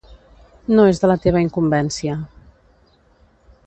No és de la teva incumbència.